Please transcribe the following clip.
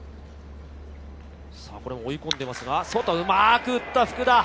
追い込んでいますが、外うまく打った福田。